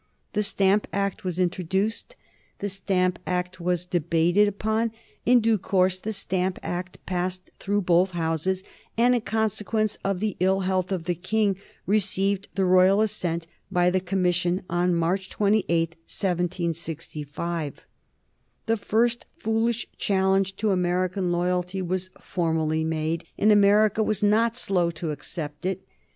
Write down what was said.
The Stamp Act was introduced, the Stamp Act was debated upon; in due time the Stamp Act passed through both Houses, and in consequence of the ill health of the King received the royal assent by commission on March 28, 1765. The first foolish challenge to American loyalty was formally made, and America was not slow to accept it.